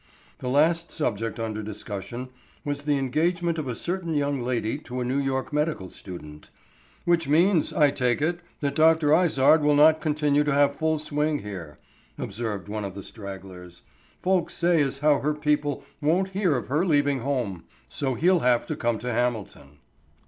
The last subject under discussion was the engagement of a certain young lady to a New York medical student. "Which means, I take it, that Dr. Izard will not continue to have full swing here," observed one of the stragglers. "Folks say as how her people won't hear of her leaving home. So he'll have to come to Hamilton."